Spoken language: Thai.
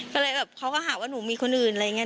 ก็เลยแบบเขาก็หาว่าหนูมีคนอื่นอะไรอย่างนี้